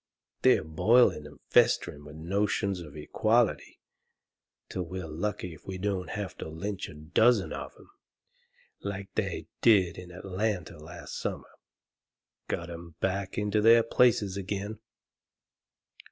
They're boilin' and festerin' with notions of equality till we're lucky if we don't have to lynch a dozen of 'em, like they did in Atlanta last summer, to get 'em back into their places again.